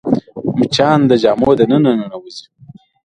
مچان د جامو دننه ننوځي